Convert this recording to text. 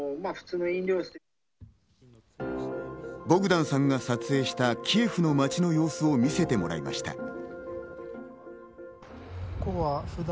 ボグダンさんが撮影したキエフの街の様子を見せてもらいました。